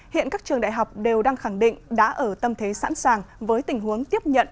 hiện các trường đại học đều đang khẳng định đã ở tâm thế sẵn sàng với tình huống tiếp nhận